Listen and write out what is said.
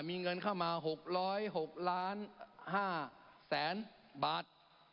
มีเงินเข้ามาหกร้อยหกล้านห้าแสนบาท